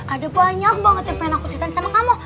ada banyak banget yang pengen aku ceritain sama kamu